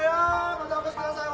またお越しください。